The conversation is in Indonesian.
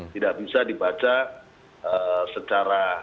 tidak bisa dibaca secara